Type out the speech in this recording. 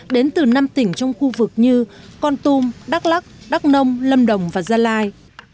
đến từ năm tỉnh trong khu vực như con tum đắk lắc đắk nông lâm đồng và gia lai